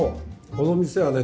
この店はね